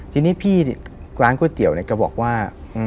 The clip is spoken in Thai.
ทีนี้พี่ร้านก๋วยเตี๋ยวเนี่ยก็บอกว่า